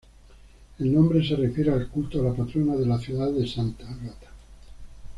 El nombre se refiere al culto a la patrona de la ciudad de Sant'Agata.